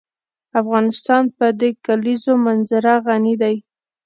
افغانستان په د کلیزو منظره غني دی.